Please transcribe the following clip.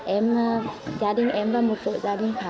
em gia đình em và gia đình em